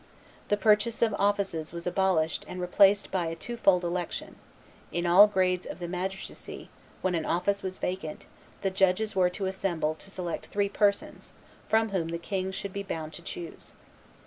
The purchase of offices was abolished and replaced by a two fold election; in all grades of the magistracy, when an office was vacant, the judges were to assemble to select three persons, from whom the king should be bound to choose.